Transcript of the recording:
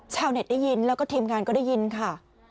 ชาวเน็ตได้ยินแล้วก็ทีมงานก็ได้ยินค่ะ